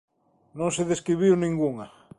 Non se describiu ningunha.